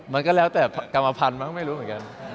มันก็แล้วแต่กรรมภัณฑ์มั้งไม่รู้เหมือนกัน